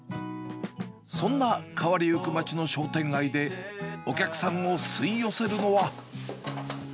そんな変わりゆく街の商店街で、お客さんを吸い寄せるのは。